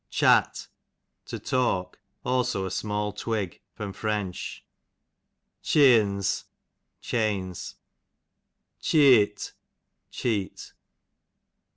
Chat, to talk; also a small twig. Fr. Cheeons, chains. Cheeot, cheat.